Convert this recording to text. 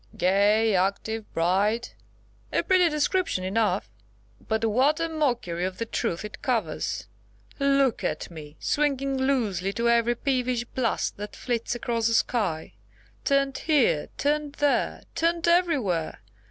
"Gay, active, bright! a pretty description enough; but what a mockery of the truth it covers! Look at me, swinging loosely to every peevish blast that flits across the sky. Turned here, turned there, turned everywhere.